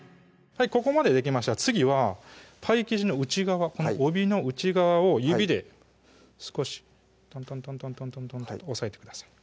ここまでできましたら次はパイ生地の内側この帯の内側を指で少しトントントントン押さえてください